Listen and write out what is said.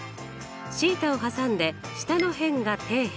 θを挟んで下の辺が底辺。